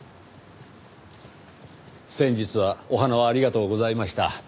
先日はお花をありがとうございました。